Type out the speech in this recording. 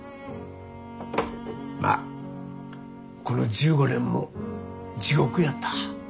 まあこの１５年も地獄やった。